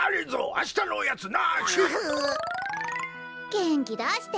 げんきだして。